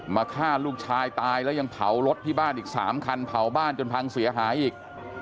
ฆ่าลูกชายตายแล้วยังเผารถที่บ้านอีก๓คันเผาบ้านจนพังเสียหายอีก